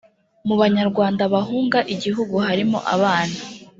mu banyarwanda bahunga igihugu harimo abana